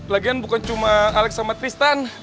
lagian bukan cuma alex sama tristan